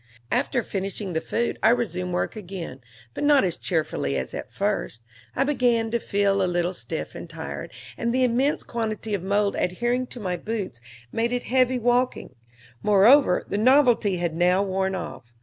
After finishing the food I resumed work again, but not as cheerfully as at first: I began to feel a little stiff and tired, and the immense quantity of mold adhering to my boots made it heavy walking; moreover, the novelty had now worn off.